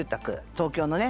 東京のね。